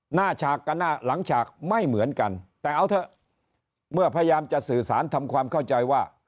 ฉากกับหน้าหลังฉากไม่เหมือนกันแต่เอาเถอะเมื่อพยายามจะสื่อสารทำความเข้าใจว่า